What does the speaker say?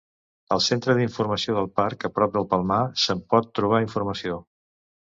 Al centre d'informació del parc a prop del Palmar, se'n pot trobar informació.